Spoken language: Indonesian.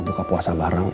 buka puasa bareng